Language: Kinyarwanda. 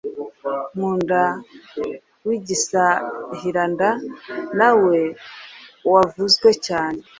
Ngunda w’igisahiranda nawe wavuzwe cyane